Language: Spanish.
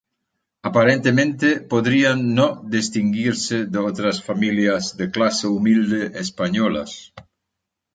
Aparentemente podrían no distinguirse de otras familias de clase humilde españolas.